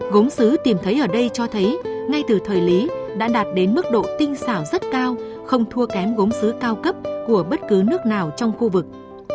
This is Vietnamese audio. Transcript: gốm xứ tìm thấy ở đây cho thấy ngay từ thời lý đã đạt đến mức độ tinh xảo rất cao không thua kém gốm xứ cao cấp của bất cứ nước nào trong khu vực